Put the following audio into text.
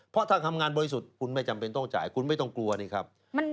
เพราะถ้าทำงานบริสุทธิ์คุณไม่จำเป็นต้องจ่ายคุณไม่ต้องกลัวนี่ครับ